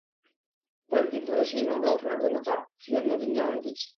কয়েক দিন ধরে সেই মামলা ওঠানোর জন্য চাপ দিচ্ছিলেন নাজিম জাহাঙ্গীর।